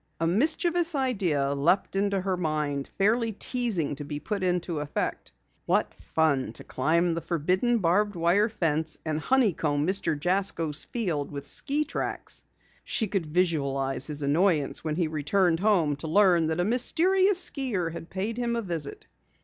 A mischievous idea leaped into her mind, fairly teasing to be put into effect. What fun to climb the forbidden barbed wire fence and honeycomb Mr. Jasko's field with ski tracks! She could visualize his annoyance when he returned home to learn that a mysterious skier had paid him a visit.